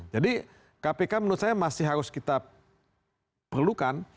jadi kpk menurut saya masih harus kita perlukan